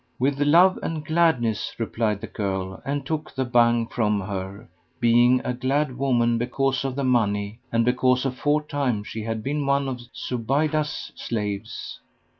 'With love and gladness;' replied the girl and took the Bhang from her, being a glad woman because of the money and because aforetime she had been one of Zubaydah's slaves.